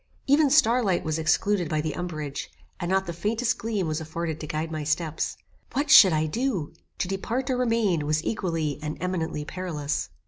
Even star light was excluded by the umbrage, and not the faintest gleam was afforded to guide my steps. What should I do? To depart or remain was equally and eminently perilous.